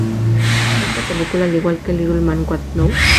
Esta película, al igual que "Little Man, What Now?